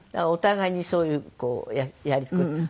お互いにそういうこうやり取り。